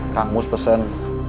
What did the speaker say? kang mus pesen